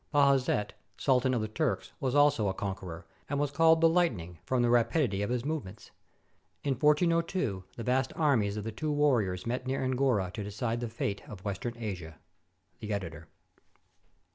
Bajazet, Sultan of the Turks, was also a conqueror, and was called the "lightning" from the rapidity of his movements. In 1402, the vast armies of the two warriors met near Angora to decide the fate of Western Asia. The Editor.